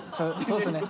そうっすね。